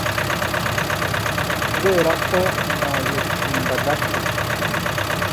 Kuberako ndaje gutinda gato